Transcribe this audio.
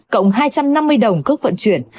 cộng hai trăm năm mươi đồng cước vận chuyển